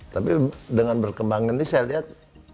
tapi dengan berkembangnya ini saya lihat